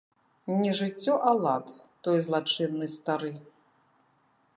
Не жыццё, а лад, той злачынны стары.